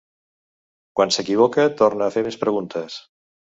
Quan s'equivoca torna a fer més preguntes.